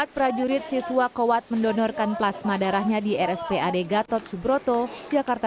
dua puluh empat prajurit siswa kawat mendonorkan plasma darahnya di rsp adegatot subroto jakarta